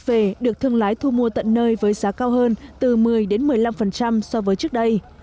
về được thương lái thu mua tận nơi với giá cao hơn từ một mươi một mươi năm so với trước đây